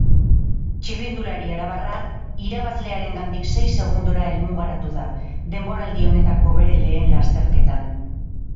Txirrindulari arabarra irabazlearengandik sei segundora helmugaratu da, denboraldi honetako bere lehen lasterketan.